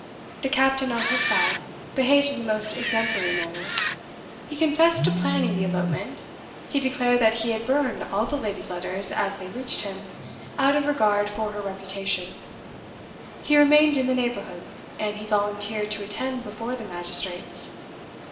The captain, on his side, behaved in the most exemplary manner. He confessed to planning the elopement; he declared that he had burned all the lady's letters as they reached him, out of regard for her reputation; he remained in the neighborhood; and he volunteered to attend before the magistrates.